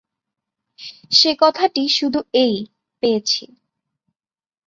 সে কথাটি শুধু এই, পেয়েছি।